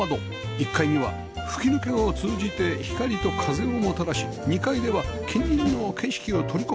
１階には吹き抜けを通じて光と風をもたらし２階では近隣の景色を取り込む